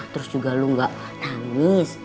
terus juga lu gak nangis